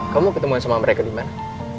kamu ketemuan sama mereka dimana